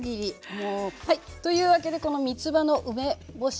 もう。というわけでこのみつばの梅干し